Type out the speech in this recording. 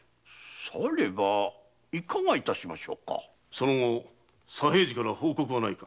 その後左平次から報告はないか。